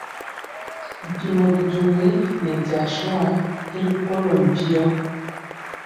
Mpiemɔ bijogi nɛ jasua y rikolɔ mpio.